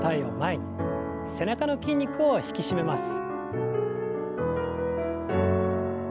背中の筋肉を引き締めます。